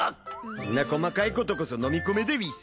んな細かいことこそ飲み込めでうぃす。